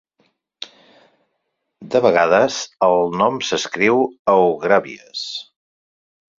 De vegades, el nom s'escriu Aughrabies.